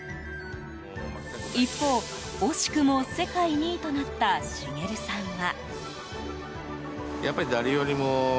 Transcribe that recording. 一方、惜しくも世界２位となった茂さんは。